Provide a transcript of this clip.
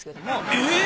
えっ！？